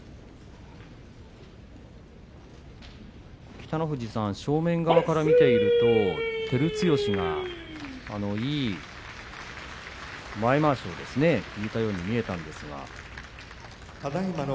北の富士さん、正面側から見ていると照強がいい前まわしを引いたように見えたんですが。